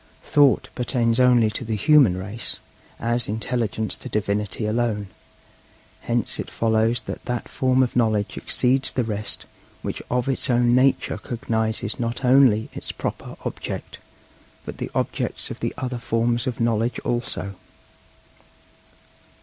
Thought pertains only to the human race, as Intelligence to Divinity alone; hence it follows that that form of knowledge exceeds the rest which of its own nature cognizes not only its proper object, but the objects of the other forms of knowledge also.